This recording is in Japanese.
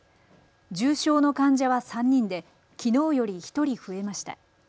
重症の患者は３人できのうより１人増えました。